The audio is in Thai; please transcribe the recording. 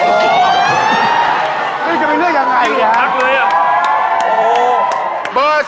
นี่จะเป็นเรื่องยังไงอ่ะ